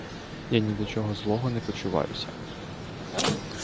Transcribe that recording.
Я ні до чого злого не почуваюся.